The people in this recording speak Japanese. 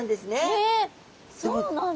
へえそうなんだ。